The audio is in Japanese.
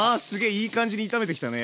いい感じに炒めてきたね。